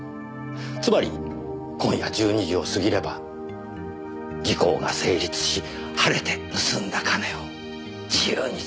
つまり今夜１２時を過ぎれば時効が成立し晴れて盗んだ金を自由に使う事が出来るわけです。